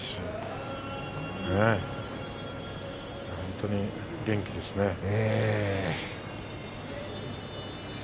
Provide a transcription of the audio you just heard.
玉鷲は本当に元気ですね。